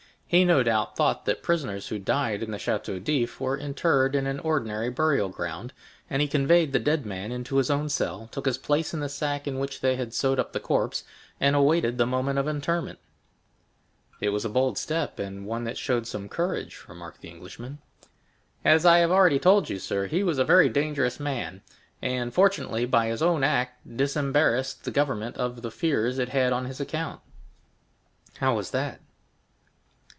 He, no doubt, thought that prisoners who died in the Château d'If were interred in an ordinary burial ground, and he conveyed the dead man into his own cell, took his place in the sack in which they had sewed up the corpse, and awaited the moment of interment." "It was a bold step, and one that showed some courage," remarked the Englishman. "As I have already told you, sir, he was a very dangerous man; and, fortunately, by his own act disembarrassed the government of the fears it had on his account." "How was that?"